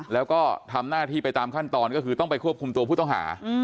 แล้วก็ทำหน้าที่ไปตามขั้นตอนก็คือต้องไปควบคุมตัวผู้ต้องหา